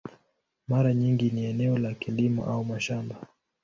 Mara nyingi ni eneo la kilimo au mashamba.